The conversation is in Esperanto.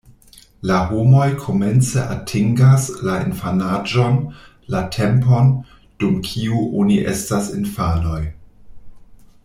La homoj komence atingas la infanaĝon, la tempon, dum kiu oni estas infanoj.